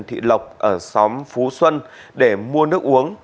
thị lộc ở xóm phú xuân để mua nước uống